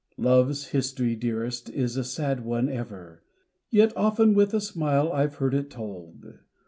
Love's history, dearest, is a sad one ever, Yet often with a smile I've heard it told!